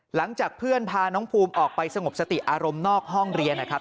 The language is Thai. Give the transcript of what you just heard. หลังจากเพื่อนพาน้องภูมิออกไปสงบสติอารมณ์นอกห้องเรียนนะครับ